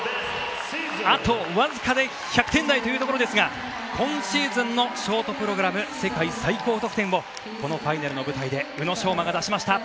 あとわずかで１００点台というところですが今シーズンのショートプログラム世界最高得点をこのファイナルの舞台で宇野昌磨が出しました。